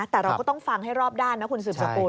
แต่เราก็ต้องฟังให้รอบด้านนะคุณสืบสกุล